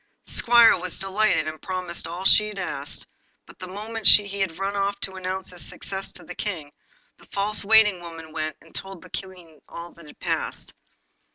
The squire was delighted, and promised all she asked; but the moment he had run off to announce his success to the King, the false waiting woman went and told the Queen all that had passed.